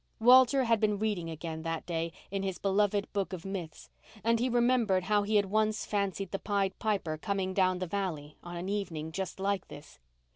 Walter had been reading again that day in his beloved book of myths and he remembered how he had once fancied the Pied Piper coming down the valley on an evening just like this.